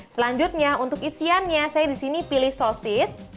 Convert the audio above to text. selanjutnya untuk isiannya saya disini pilih sosis